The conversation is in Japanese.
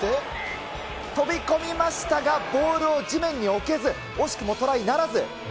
飛び込みましたが、ボールを地面に置けず、惜しくもトライならず。